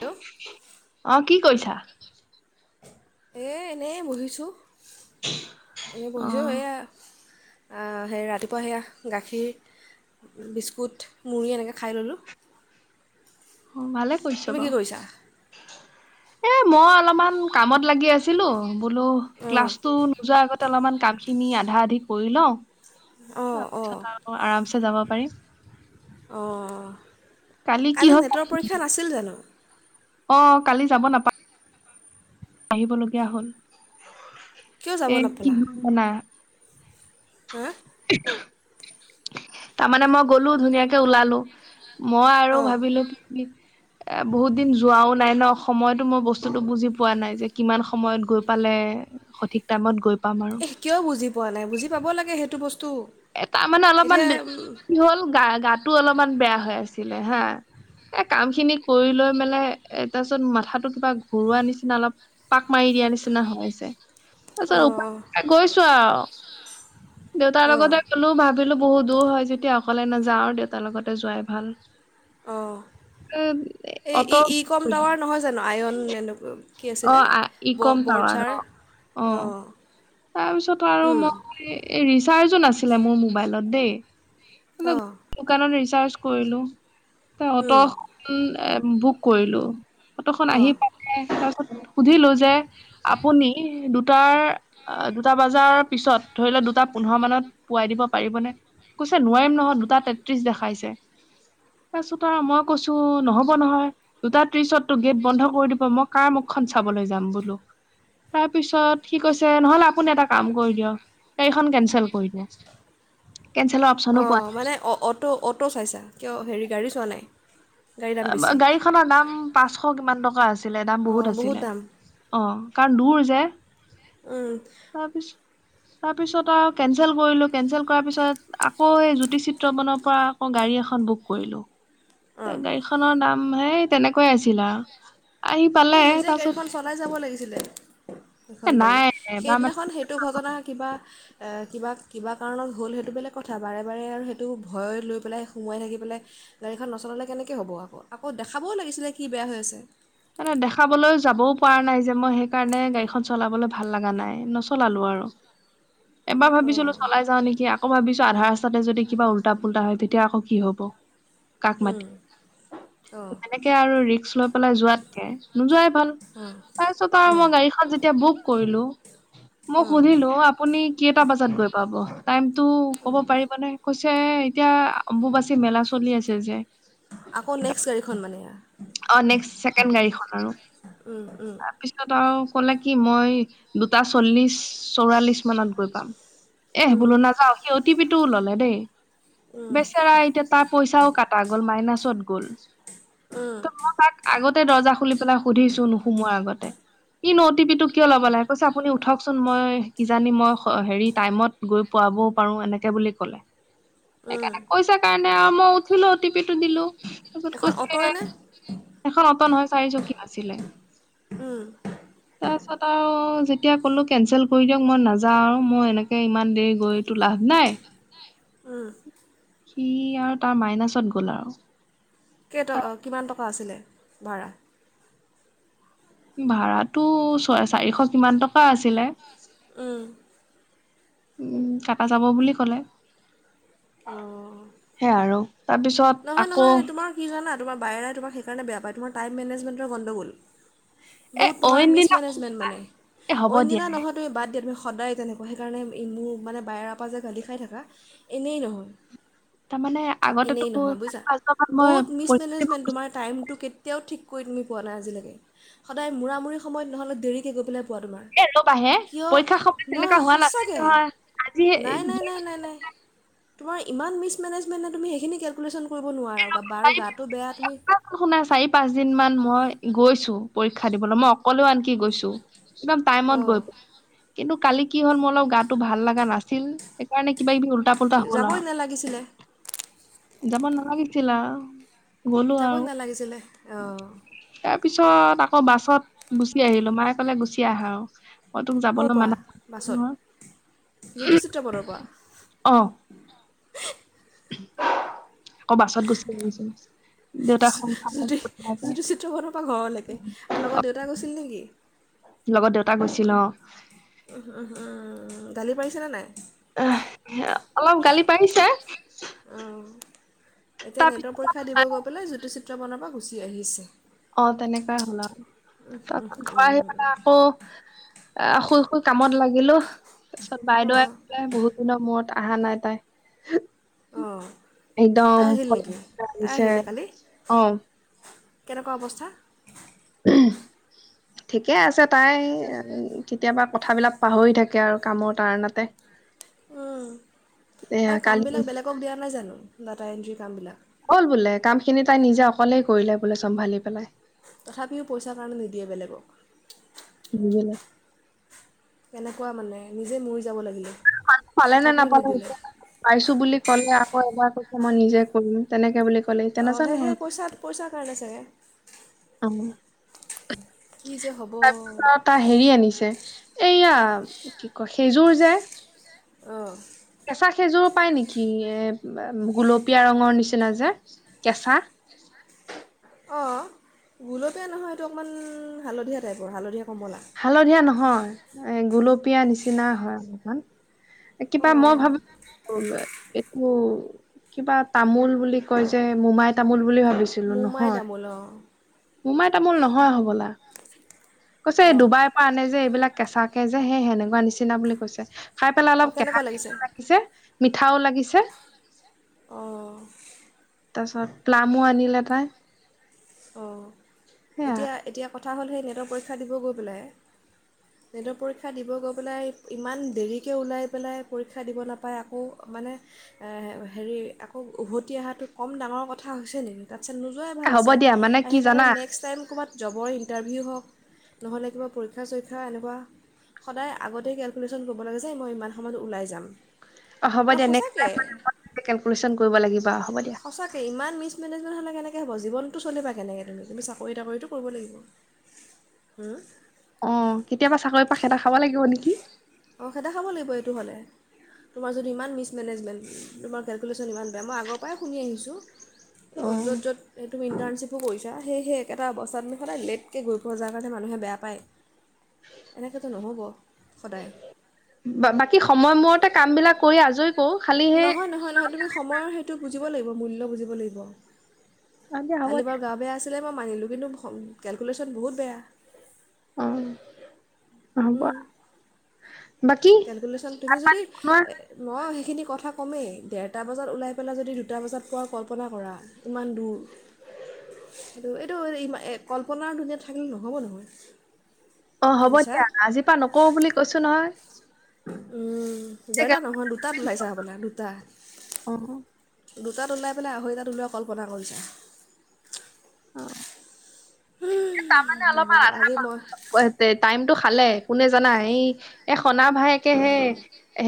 Hello অ', কি কৰিছা? এ এনেই বহিছোঁ এনে অ বহিছোঁ এয়া সেই ৰাতিপুৱা সেয়া গাখীৰ বিস্কুট মুড়ি এনেকৈ খাই ল'লোঁ। অ', ভালে কৰিছ তুমি কি বাৰু। কৰিছা এ মই অলপমান কামত লাগি আছি ছিলো বোলো অঁ ক্লাছো নোযোৱা আগতে অলপমান কামখিনি আধা আধি কৰি লওঁ। অঁ অঁ ত, আৰামছে যাব পাৰিম। অ, কি কালি হ'ল নেটৰ পৰীক্ষা নাছিল জানো। অ, কালি যাব নাপা আহিবলগীয়া হ'ল। কিয় যাব এ কি নাপেলা, হ'ল জানা হা। [inaudible] তাৰমানানে মই গলো ধুনীয়াকে ওলালো মই আৰু অঁ ভাবিলো কি এ বহুত দিন যোৱাও নাই ন সময়তো মই বস্তুতটো বুজি পোৱা নাই যে কিমান সময়ত গৈ পালে। সঠিক টাইমত গৈ পাম আৰু। এই কিয় বুজি পোৱা নাই, বুজি পাব লাগে সেইটো বস্তু। এ তাৰমানে এতিয়া অলপমান বে কি হ'ল, গা-গাটো অলপমান বেয়া হৈ আছিলে হা। এ কাম খিনি কৰি লৈ মেলাই এ তাৰপিছত মাথাটো কিবা ঘূৰা নিচিনা অলপ পাক মাৰি দিয়া নিচিনা হৈ যায়, তাৰপিছত অঁ উপাই অঁ নাই গৈছো আৰু। দেউতাৰ অঁ লগতে বোলো ভাবিলো বহু দূৰ হয় যেতিয়া, অকলে নাযাওঁ আৰু দেউতাৰ লগতে যোৱাই ভাল। অঁ [inaudible] এই, ই, ই কম টাৱাৰ নহয় জানো, আয়ন এনেকুৱা কি অ আছিলে আ- ই কম টাৱাৰ ব-বৰঝাৰ অ অ, তাৰপিছত আৰু মই এই ৰিচাৰ্জো নাছিলে মোৰ মোবাইলত দেই। অ, দোকানত ৰিচাৰ্জ কৰিলো, অটো উম খন বুক কৰিলো। অটোখন আহি অঁ পালে, তাৰপিছত সুধিলো যে আপুনি দুটাৰ অ, দুটা বজাৰ পিছত ধৰি লও দুটা পোন্ধৰ মানত পোৱাই দিব পাৰিবনে? এ নোৱাৰিম নহয় দুটা তেত্ৰিশ দেখাইছে, তাৰপিছত আৰু মই কৈছো নহ'ব নহয়। দুটা ত্ৰিশতটো গেট বন্ধ কৰি দিব। মই কাৰ মুখখন চাবলৈ যাম বোলো। তাৰপিছত সি কৈছে নহ'লে আপুনি এটা কাম কৰি দিয়ক গাড়ীখন কেনচেল কৰি দিয়ক, কেলচেলৰ অপ অ, মানে অ-অটো, অটো চাইছা, কিয় হেৰি গাড়ী চোৱা নাই। গাড়ী দাম আ-বা বেছি গাড়ীখনৰ দাম পাঁচশ কিমান টকা আছিলে, দাম বহুত অঁ আছিলে। দাম অ, কাৰণ দূৰ যে। উম, তাৰপিছত, তাৰ পিছত আৰু কেনচেল কৰিলো, কেনচেল কৰাৰ পিছত আকৌ এই জ্যোতি চিত্ৰবনৰ পৰা আকৌ গাড়ী এখন বুক কৰিলো। অঁ তাৰ গাড়ীখনৰ নাম হেই তেনেকুৱাই আছিল আৰু। আহি পালে তেওঁ নিজে তাৰপিছত গাড়ীখন চলাই যাব লাগিছিলে। এ সেইখন গাড়ী, নাই এবাৰ মানে সেইদিনাখন সেইটো ঘটনা কিবা এহ কিবা, কিবা কাৰণত হ'ল সেইটো বেলেগ কথা, বাৰে বাৰে আৰু সেইটো ভয় লৈ পেলাই সোমোৱাই থাকি পেলাই গাড়ীখন নচলালে কেনেকে হ'ব আকৌ, আকৌ দেখাব ও লাগিছিলে কি বেয়া হৈ আছে। মানে দেখাবলৈ যাবও পৰা নাই যে, মই সেই কাৰণে গাড়ীখন চলাবলৈ ভাল লগা নাই, নচলালো আৰু। এবাৰ ভাবিছিলো অঁ চলাই যাও নেকি, আকৌ ভাবিছো আধা ৰাস্তাতে যদি কিবা উল্টা-পুল্টা হয় তেতিয়া, আকৌ কি হ'ব। কাক অঁ মাতি অঁ তেনেকে আৰু ৰিস্ক লৈ পেলাই যোৱাতকে নোযোৱাই ভাল অঁ তাৰপিছত আৰু অঁ মই গাড়ীখন যেতিয়া বুক কৰিলো। মোক অঁ সুধিলো আপুনি কেইটা বজাত গৈ পাব, টাইমতটো ক'ব পাৰিব নে? কৈছে এতিয়া অম্বুবাচী মেলা চলি আছে, যে। আকৌ নেক্সট গাড়ীখন মানে। অ, নেক্স ছেকেণ্ড গাড়ীখন আৰু। উম, উম। তাৰপিছত আৰু ক'লে কি মই দুটা চল্লিশ চৌৰাল্লিশ মানত গৈ পাম। এহ উম, বোলো নাযাও, সি অ, টি পি টোও ল'লে দেই। উম, বেচেৰা এতিয়া তাৰ পইচাও কটা গ'ল, মাইনাছত গ'ল। উম, ত মই তাক আগতে দৰ্জা খুলি পেলাই সুধিছো, নোসুমোৱাৰ আগতে। ই নো অ টি পি টো কিয় ল'ব লাগে, কৈছে আপুনি উঠকচোন মই কি জানি মই স' হেৰি টাইমত গৈ পোৱাবও পাৰো এনেকে বুলি ক'লে। উম। সেইকাৰণে কৈছে কাৰণে আৰু মই উঠিলো অটিপি টো দিলো, তাৰপিছত এখন কৈছে অ'টয়নে? এখন অটো নহয়, চাৰিচকীয়া আছিলে। উম। তাৰপিছত আৰু যেতিয়া ক'লো কেনচেল কৰি দিয়ক, মই নাযাওঁ আৰু মই এনেকে ইমান দেৰি গৈ লাভ নাই, উম। সি আৰু তাৰ মাইনাছত গ'ল আৰু। কেইট কিমান টকা আছিলে ভাড়া ভা়াতো ছয় চাৰিশ কিমান টকা আছিলে উম উম কাটা যাব বুলি ক'লে অঁ। সে আৰু তাৰপিছত নহয় আকৌ নহয় তোমাৰ কি জানা তোমাৰ বায়েৰাই তোমাক সেইকাৰেয়া পায় তোমাৰ টাইম মেনেজমেণ্টৰ গণ্ডগোল এ বুত অইন দিনা এ হ'ব মে দিয়া মান ন তে বাদ দিয়া তুমি সদায় তেনেকুৱা সেইকাৰণে মোৰ মানে বাইেৰাৰ পৰা যে গালি খাই থাকা এনেই নহয় তাৰমানে আগতেতো চাৰি যা পাঁচবাৰ মান মই বহুত পৰীক্ষা দিব গৈছো মিছমেনেজমেণ্ট তোমাৰ ম ময় নৈ োৱা তোমাৰ এ ৰ'বাহে কিয় পৰীক্ষা সময়ত নহয় তেনেকুৱা হোৱা নাছিল সচাকৈ নহয় আজি এই দুই তমাৰ ইমান মিে ন কৰিব নোৱাৰা বাৰ চাৰি গটো বেয়া তুমি পাঁচটা শুনা চাৰি পাঁচ দিন মান মই গৈছো পৰীক্ষা দিবলৈ মই অকলেও আনকি গৈছো একদম টাইমত অঁ গৈ প কিন্তু কালি কি হ'ল মোৰ অলপ গাটো ভাল লগা নাছিল সেইকাৰণে কিবা কিবি টা পলটা হলা যাবই নালাগিছিলে যামন নালাগিছিলা গলো যাবই আৰু নালাগিছিলে অঁ তাৰ পিছত আকৌ বাছত গুচি আহিলো মায়ে কলে গুচি আহা আৰু মই তোক ক'ৰ যাবলৈ পৰা মানছিল বাছত নহয় জ্যোতি চিত্ৰপথৰ পৰা অ আকৌ বাছত গুচি আহ জ্যোতি জ্যোতি চিত্ৰ বনৰ পৰাা ঘৰলৈকে আৰু লগত দেউতা গৈছিল নেকি লগত দেউতা গৈছিল অ উ উম উমম গালি পাৰিছে নে নাই আহ অলপ গালি পাৰিছে অঁ এতিয়া নেটৰ তাৰপিছত পৰীক্ষা আৰু দিব নাই। গৈ পেলাই জ্যোতি চিত্ৰ বনৰ পৰা গুচি আহিছে অ তেনেকুৱাই হ'ল আৰু উম, তাৰপিছত ঘৰ আহি উম। পাই আকৌ অ শুই শুই কামত লাগিলো তাৰ পিছত বাইদেউ অঁ আহিলে বহুত দিনৰ মূৰত অা নাই তাই অঁ একদম তাই ভ আহিল নেকি তাই লাগিছে আহিলে কালি অ কেনেকুৱা অৱস্থা উ ঠিকে আছে তাই কেতিয়াবা কথাবিলাক পাহৰি থাকে আৰু কামৰ তাৰণাতে উম। এয়া তাই কালি কামবিলাক বেলেগক দিয়া নাই জানো ডাটা এণ্ট্ৰি কামবিলাক হ'ল বোলে কাম খিনি তাই নিজে অকলেই কৰিলে বোলে চম্ভালি পেলাই তথাপিও পইচাৰ কাৰণে নিদিয়ে বেলেগক বুজা কেনেকুৱা মানে নিজে মৰি যাব লাগে ান পালে নে নাপালে এতিয়া পাইছো বুলি ক'লে আকৌ এবাৰ কৈছে মই নিজে কৰিম তেনেকে বুলি ক'লেতিয়া নাজানো আৰু পইছা কাৰণে ছাগে। অ, কি যে হ'ব তাৰপিছত তাৰ হেৰি আনিছে এইয়া কি কয় সেইযোৰ যে, আহ, কেঁচা সেইজোৰ পায় নেকি? এ গুলপীয়া ৰঙৰ নিচিনা যে, কেঁচা,, অ, গোলতে নহয় এইটো অকণমান হালধীয়া টাইপৰ হালধীয়া কমলা। হালধীয়া নহয় এই গলপীয়া নিচিনা হয় অলপমান। কিবা মই অঁ ভাবো এইটো কিবা তামোল বুলি কৈ যে মোমাই তামোল বুলি ভাব কৈছিলো মোমাই নহয় তামোল অঁ মোমাই তামোল নহয় হবলা। কৈছে অঁ ডুবাইৰ পৰা আনে যে এইবিলাক কেঁচাকে যে সেই সেনেকুৱা নিচিনা বুলি কৈছে। খাই পেলাই অঁ অলপ কেনেকুৱা কেহা-কেহাও লাগিছে মিঠাও লাগিছে। অঁ তাৰপিছত প্লামো আনিলে তাই। অ, সেয়া এতিয়া-এতিয়া কথা হ'ল সেই নেটৰ পৰীক্ষা দিব গৈ পেলাই, [inaudible] নেটৰ পৰীক্ষা দিব গৈ পেলাই ইমান দেৰিকৈ ওলাই পেলাই পৰীক্ষা দিব নাপায় আকৌ মানে এ, হেৰি আকৌ উভতি আহাটো কম ডাঙৰ কথা হৈছে নেকি? তাৰপিছত নোযোৱাই ভাল হ'ব আছিলে দিয়া মানে আৰু কি জানা সেইকাৰণে নেক্সট নেক্সট টাইম ক'ৰবাত জবৰ ইণ্টাৰভিউ হওক নহ'লে কিবা পৰীক্ষা-চৰীক্ষা এনেকুৱা, সদায় আগতে কেলকুলেশ্যন কৰিব লাগে যে মই ইমান সময়ত ওলাই যাম। অ হ'ব ন দিয়া নেক্সট সচাকে, টাইম কেলকুলেশ্যন কৰিব লাগিব হ'ব দিয়া সচাকে ইমান মিছ মেনেজমেণ্ট হ'লে কেনেকৈ হব জীৱনটো চলিবা কেনে তুমি? আমি চাকৰি-তাকৰিটো কৰিব লাগিব। উম, অ, কেতিয়াবা চাকৰি পা খেদা খাব লাগিব নেকি। অ, খেদা খাব লাগিব এইটো হ'লে। তোমাৰ যদি ইমান মিছমেনেজমেণ্ট তোমাৰ কেলকুলেশ্যন ইমান বেয়া মই আগৰ পৰাই শুনি আহিছোঁ। অ য'ত-য'ত সেই তুমি ইণ্টাৰ্ণশ্বিপো কৰিছা সেইহে এটা অৱস্থাত আমি সদায় লেটকে গৈ পোৱা যোৱাৰ কাৰণে মানুহে বেয়া পায়। এনেকৈতো নহ'ব সদায়। বা বাকী সময়মতে কাম বিলাক কৰি আজৰি কৰো খালিহে নহয়-নহয় তুমি সময়ৰ বুজিব লাগিব মূল্য বুজিব লাগিব। দিয়া হ'ব কালি দিয়া পৰা গা বেয়া আছে আছিলে মই মানিলোঁ কিন্তু কেলকুলেশ্যন বহুত বেয়া। অ, হব। বাকী কেলকুলেশ্যন তুমি যদি তোমাৰ নই সেইখিনি কথা ক'মেই ডেৰটা বজাত ওলাই পেলাই যদি দুটা বজাত পোৱাৰ কল্পনা কৰা। ইমান দূৰ। সেইটো এইটো কল্পনাৰ দুনীয়া থাকিলে নহ'ব নহয়। অ, হ'ব বুজিছা দিয়া আজিৰ পৰা নকওঁ বুলি কৈছোঁ নহয়। উম, ডেৰটা নহয় দুটা উলাইচা [inaudible] দুুটাত। অ দুটাত ওলাই পেলাই আঢ়ৈটাত ওলোৱা কল্পনা কৰিছা। অ, তাৰমানে অলপমান নহ'ব আধা আজি মই পাম টাইমটো খালে কোনে জানা এই এ সনা ভায়েকে হে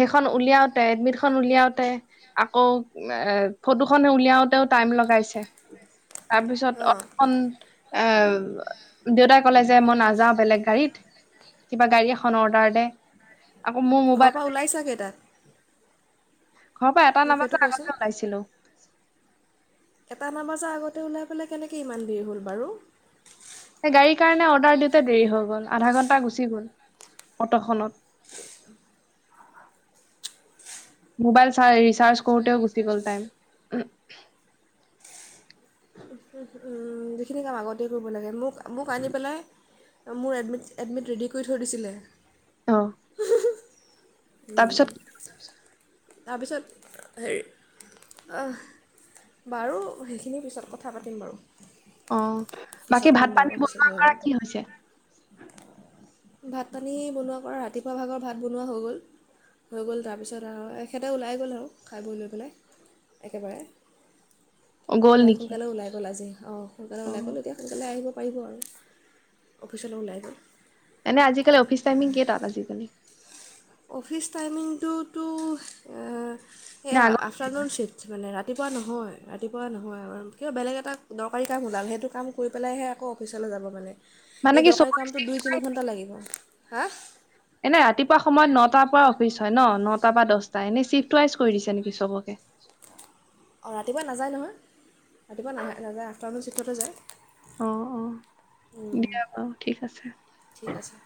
সেইখন উলিয়াওতে এডমিটখন উলিয়াওতে, আকৌ এ, ফটো খনে উলিয়াওতেও টাইম লগাইছে। তাৰপিছত অঁ অত' খন এ, দেউতাই ক'লে যে মই নাযাওঁ বেলেগ গাড়ীত কিবা গাড়ী এখন অৰ্ডাৰ দে। আকৌ মোৰ মোবাইল তই ওলাইছা কেইটাত? ঘৰৰ পৰা এটা মোক সেইটো নাবাজাৰ কোৱাচোন আগতে ওলাইছিলোঁ। এটা না বজাৰ আগতে ওলাই পেলাই কেনেকৈ ইমান দেৰি হ'ল বাৰু? গাড়ীৰ কাৰণে অৰ্ডাৰ দিওঁতে দেৰি হৈ গ'ল আধা ঘণ্টা গুচি গ'ল অটোখনত। [inaudible] মোবাইল চাই ৰিচাৰ্জ কৰোতে গুচি গ'ল টাইমটো। উম', যিখিনি কাম আগতে কৰিব লাগে মোক-মোক আনি পেলাই মোৰ এডমিট-এডমিট ৰেডি কৰি থৈ দিছিলে। অ'। তাৰপিছত তাৰপিছত হেৰি অ'। বাৰু, সেইখিনিৰ পিছত কথা পাতিম বাৰু। অ বাকী পিছত ভাত ক'ম পানী বাৰু পিছত বনোৱা কৰা কি [unintelligible] হৈছে ভাত পানী বনোৱা কৰা ৰাতিপুৱা ভাগৰ ভাত বনোৱা হৈ গ'ল। হৈ গ'ল তাৰপিছত আৰু এখেতে ওলাই গ'ল আৰু খাই বৈ পেলাই। একেবাৰে অ গ'ল ওলাল- নেকি সোনকালে ওলাই গ'ল আজি, অ'। সোনকালে অ ওলাই গ'ল এতিয়া সোনকালে আহিব পাৰিব আৰু অফিচলৈ ওলাই গ'ল। এনে আজিকালি অফিচ টাইমিং কেইতাত আজিকালি অফিচ টাইমিংটোতো নে সেয়া আগত আফটাৰনোন চিট। মানে ৰাতিপুৱা নহয়, ৰাতিপুৱা নহয় কিবা বেলেগ এটা দৰকাৰী কাম ওলাল সেইটো কাম ফুৰি পেলাইহে আকৌ অফিচলৈ যাব মানে মানে এই কি দৰকাৰী চবৰে কামটো চিফ্ট দুই তিনি ৱাইজ ঘণ্টা লাগিব, হা এনে ৰাতিপুৱা সময়ত নটাৰ পৰা অফিচ হয় ন নটাৰ পৰা দহটা এনেই চিফ্ট ৱাইজ কৰি দিছে নেকি চবকে? অ', ৰাতিপুৱা নাযায় নহয় ৰাতিপুৱা না- নাযায় আফটাৰনোন চিফ্টতে যায়। অ', অ' হুম দিয়া বাৰু ঠিক আছে। ঠিক আছে।